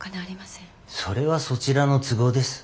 それはそちらの都合です。